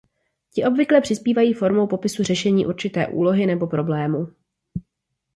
Ti obvykle přispívají formou popisu řešení určité úlohy nebo problému.